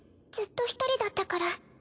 ずっと１人だったから。